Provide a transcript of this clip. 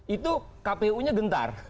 itu kpu nya gentar